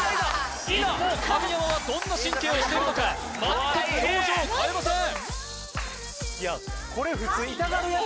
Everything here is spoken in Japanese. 一方神山はどんな神経をしているのか全く表情を変えません